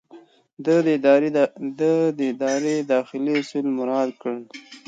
ده د ادارې داخلي اصول مراعات کړل.